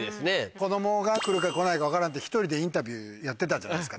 子供が来るか来ないか分からんって１人でインタビューやってたじゃないですか